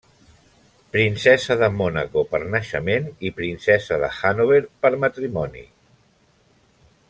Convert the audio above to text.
Princesa de Mònaco per naixement i Princesa de Hannover per matrimoni.